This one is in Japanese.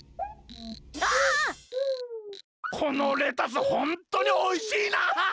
このレタスホントにおいしいなあ！